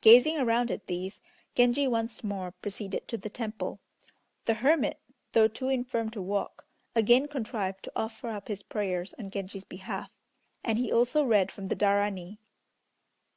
Gazing around at these Genji once more proceeded to the temple. The hermit though too infirm to walk again contrived to offer up his prayers on Genji's behalf, and he also read from the Darani.